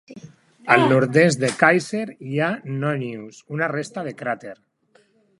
Al nord-est de Kaiser hi ha Nonius, una resta de cràter.